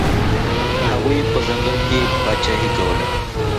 هغوی په ځنګل کې پاچاهي کوله.